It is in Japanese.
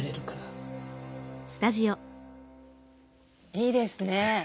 いいですね。